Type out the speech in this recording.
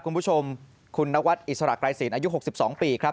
คุณผู้ชมคุณนวัฒน์อิสระไกรศีลอายุหกสิบสองปีครับ